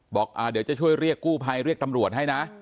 บอกเดี๋ยวจะช่วยเรียกกู้ภัยเรียกตำรวจให้นะ